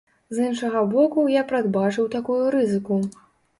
З іншага боку, я прадбачыў такую рызыку.